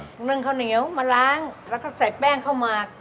นึ่งข้าวเหนียวมาล้างแล้วก็ใส่แป้งข้าวหมาก